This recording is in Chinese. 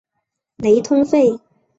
雷通费。